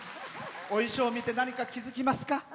お衣装見て何か気付きますか。